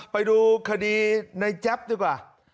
ไปดูคดีในแจ๊บดีกว่า